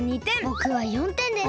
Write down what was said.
ぼくは４てんです！